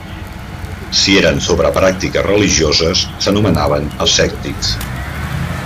Si eren sobre pràctiques religioses, s'anomenaven ascètics.